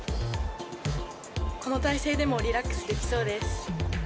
この体勢でもリラックスできそうです。